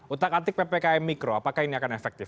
utak atik ppkm mikro apakah ini akan efektif